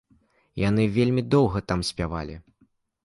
Яны вельмі доўга там спявалі.